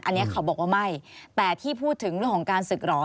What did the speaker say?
อันนี้เขาบอกว่าไม่แต่ที่พูดถึงเรื่องของการศึกหรอ